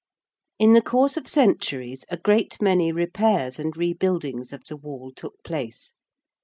] In the course of centuries a great many repairs and rebuildings of the Wall took place.